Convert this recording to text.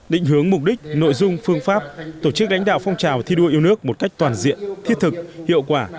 định hướng mục đích nội dung phương pháp tổ chức đánh đạo phong trào thi đua yêu nước một cách toàn diện thiết thực hiệu quả